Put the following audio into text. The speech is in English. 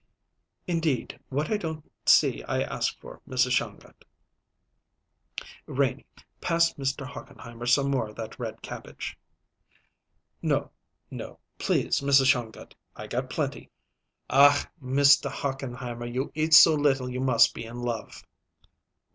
"Indeed, what I don't see I ask for, Mrs. Shongut." "Renie, pass Mr. Hochenheimer some more of that red cabbage." "No, no please, Mrs. Shongut; I got plenty." "Ach, Mr. Hochenheimer, you eat so little you must be in love."